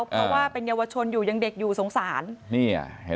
เพราะว่าเป็นเยาวชนอยู่ยังเด็กอยู่สงสารนี่อ่ะเห็นไหม